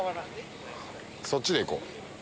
そっちで行こう。